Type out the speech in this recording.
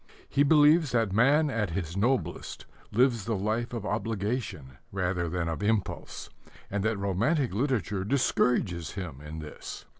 He believes that man at his noblest lives the life of obligation rather than of impulse; and that romantic literature discourages him in this.